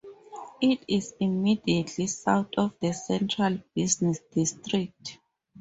It is immediately south of the central business district.